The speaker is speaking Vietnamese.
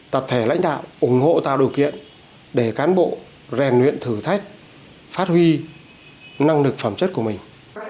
tập thể lãnh đạo ủng hộ tạo điều kiện để cán bộ rèn luyện thử thách phát huy năng lực phẩm chất của mình